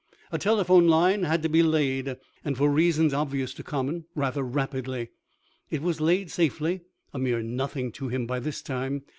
A telephone line had to be laid, and, for reasons obvious to Common, rather rapidly. It was laid safely a mere nothing to him by this time.